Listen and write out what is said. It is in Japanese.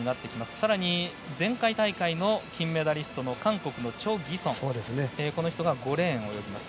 さらに前回大会の金メダリストの韓国のチョ・ギソンこの人が５レーンを泳ぎます。